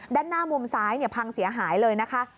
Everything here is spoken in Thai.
ด้านหน้ามุมซ้ายพังเสียหายเลยนะคะ